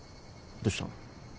どしたの？